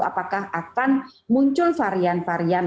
apakah akan muncul varian varian